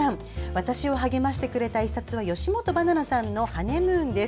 私を励ましてくれた１冊は吉本ばななさんの「ハネムーン」です。